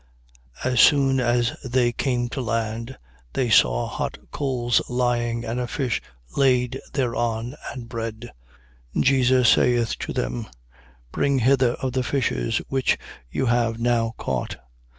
21:9. As soon then as they came to land they saw hot coals lying, and a fish laid thereon, and bread. 21:10. Jesus saith to them: Bring hither of the fishes which you have now caught.